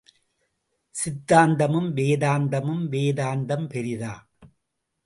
சித்தாந்தமும் வேதாந்தமும் வேதாந்தம் பெரிதா?